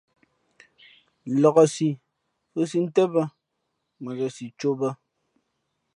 Laksí fhʉ̄ siʼ ntén bᾱ, mα n ndα si cō bᾱ.